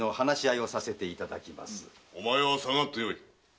お前は下がってよい！